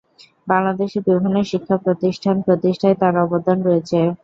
বাংলাদেশের বিভিন্ন শিক্ষা প্রতিষ্ঠান প্রতিষ্ঠায় তার অবদান রয়েছে।